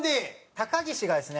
高岸がですね